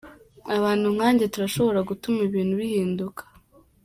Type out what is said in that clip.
Abantu nkanje turashobora gutuma ibintu bihinduka.